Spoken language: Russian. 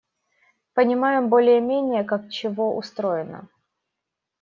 Понимаем более-менее, как чего устроено.